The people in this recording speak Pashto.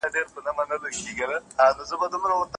خو په كور كي د شيطان لكه زمرى وو